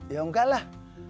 ya enggak lah